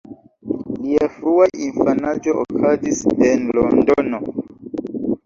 Lia frua infanaĝo okazis en Londono.